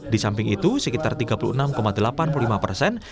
di samping itu sekitar tiga puluh enam delapan puluh lima persen